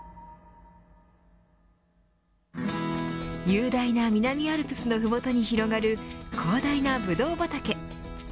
雄大な南アルプスのふもとに広がる広大なブドウ畑。